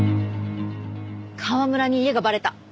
河村に家がバレた。